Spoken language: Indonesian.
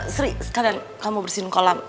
seri sekalian kamu bersihin kolam